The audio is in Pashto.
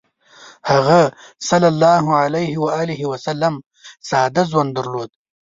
هغه ﷺ ساده ژوند درلود.